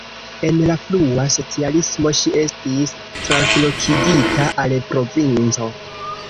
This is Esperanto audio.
En la frua socialismo ŝi estis translokigita al provinco.